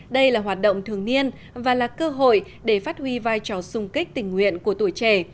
đây là hoạt động thường niên và là cơ hội để phát huy vai trò sung kích tình nguyện của tuổi trẻ